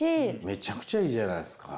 めちゃくちゃいいじゃないすか。